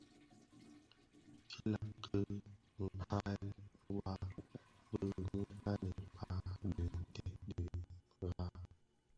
Tiilag ki kpaghèna wa bi mutanin kpäg dhi ntèd di dhaa.